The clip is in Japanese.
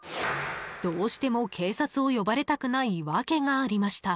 どうしても、警察を呼ばれたくない訳がありました。